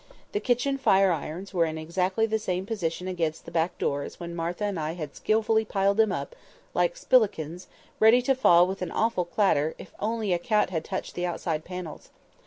The kitchen fire irons were in exactly the same position against the back door as when Martha and I had skilfully piled them up, like spillikins, ready to fall with an awful clatter if only a cat had touched the outside panels.